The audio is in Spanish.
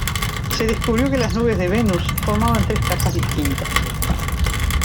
Se descubrió que las nubes de Venus formaban tres capas distintas.